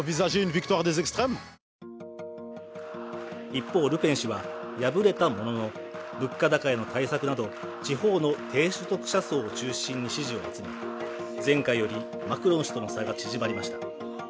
一方、ルペン氏は敗れたものの物価高への対策など地方の低所得者層を中心に支持を集め、前回よりマクロン氏との差が縮まりました。